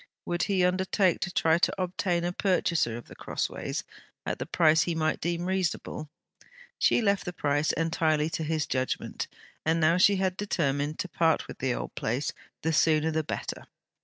Would he undertake to try to obtain a purchaser of The Crossways, at the price he might deem reasonable? She left the price entirely to his judgement. And now she had determined to part with the old place, the sooner the better!